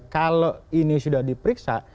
kalau ini sudah diperiksa